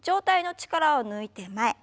力を抜いて前に。